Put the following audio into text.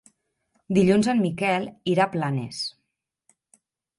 Dilluns en Miquel irà a Planes.